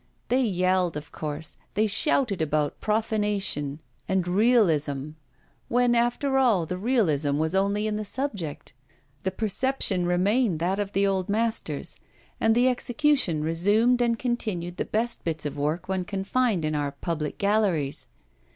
They yelled, of course; they shouted about profanation and realism, when, after all, the realism was only in the subject. The perception remained that of the old masters, and the execution resumed and continued the best bits of work one can find in our public galleries.